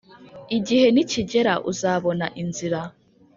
igihe nikigera uzabona inzira